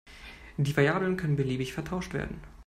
Die Variablen können beliebig vertauscht werden.